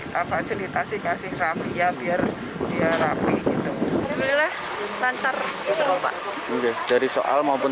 kita fasilitasi kasih rafia biar dia rapi gitu mulai lancar serupa dari soal maupun